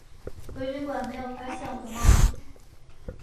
回旅馆没有发现我的帽子